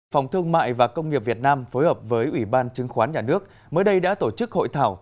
phòng thương mại và công nghiệp việt nam phối hợp với ủy ban chứng khoán nhà nước mới đây đã tổ chức hội thảo